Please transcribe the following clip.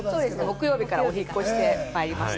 木曜日からお引っ越しでやってきました。